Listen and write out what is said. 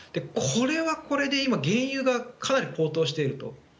これはこれで今、原油がかなり高騰していると。